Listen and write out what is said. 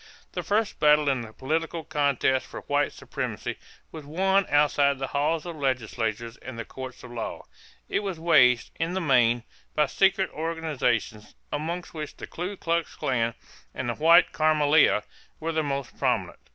The first battle in the political contest for white supremacy was won outside the halls of legislatures and the courts of law. It was waged, in the main, by secret organizations, among which the Ku Klux Klan and the White Camelia were the most prominent.